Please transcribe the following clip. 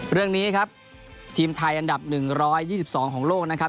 เรื่องนี้ครับทีมไทยอันดับหนึ่งร้อยยี่สิบสองของโลกนะครับ